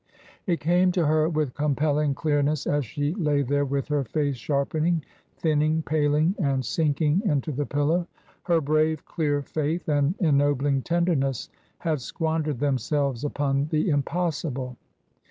It came to her with compelling clearness, as she lay there with her face sharpening, thinning, paling, and sinking into the pillow. Her brave, clear faith and en nobling tenderness had squandered themselves upon the impossible.